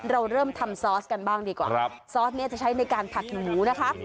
เราเริ่มทำซอสกันบ้างดีกว่าครับซอสเนี่ยจะใช้ในการผัดหมูนะคะ